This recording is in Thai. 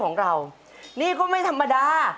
เป็นตำแห่งน้อยของเรานี่ก็ไม่ธรรมดา